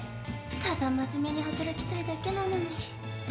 ただ真面目に働きたいだけなのに。